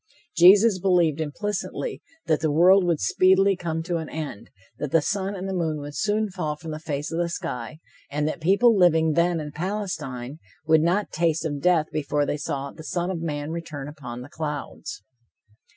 Jesus believed implicitly that the world would speedily come to an end, that the sun and the moon would soon fall from the face of the sky, and that people living then in Palestine would not taste of death before they saw "the Son of Man return upon the clouds."